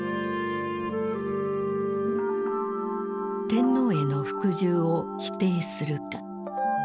「天皇への服従を否定するか」。